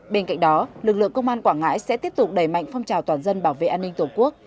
bên cạnh đó lực lượng công an quảng ngãi sẽ tiếp tục đẩy mạnh phong trào toàn dân bảo vệ an ninh tổ quốc